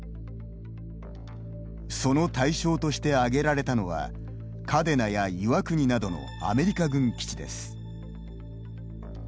その対象としてあげられたのは嘉手納や岩国などのアメリカ軍基地です。